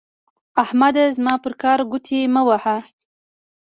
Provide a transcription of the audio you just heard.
احمده زما پر کار ګوتې مه وهه.